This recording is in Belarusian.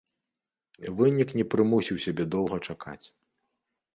Вынік не прымусіў сябе доўга чакаць.